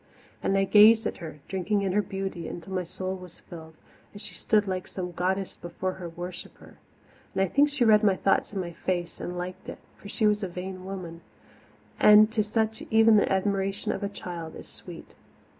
And I gazed at her, drinking in her beauty until my soul was filled, as she stood like some goddess before her worshipper. I think she read my thought in my face and liked it for she was a vain woman, and to such even the admiration of a child is sweet.